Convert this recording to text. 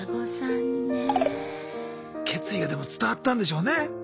決意がでも伝わったんでしょうね。